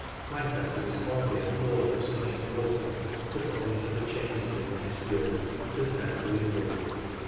Lancaster was formerly a port of some importance, but owing to the changes in the estuary it has now dwindled.